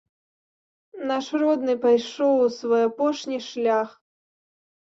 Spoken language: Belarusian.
Наш родны пайшоў у свой апошні шлях.